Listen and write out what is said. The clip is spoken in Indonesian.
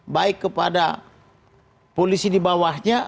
baik kepada polisi di bawahnya